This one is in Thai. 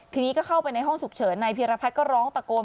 ทีนี้ก็เข้าไปในห้องฉุกเฉินนายพีรพัฒน์ก็ร้องตะโกน